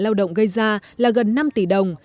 lao động gây ra là gần năm tỷ đồng